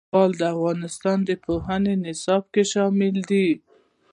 زغال د افغانستان د پوهنې نصاب کې شامل دي.